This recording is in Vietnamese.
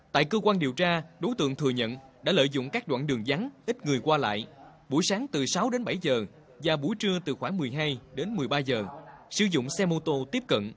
tại cơ quan điều tra đối tượng thừa nhận đã lợi dụng các đoạn đường rắn ít người qua lại buổi sáng từ sáu đến bảy giờ và buổi trưa từ khoảng một mươi hai đến một mươi ba giờ sử dụng xe mô tô tiếp cận